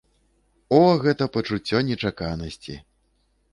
О, гэта пачуццё нечаканасці!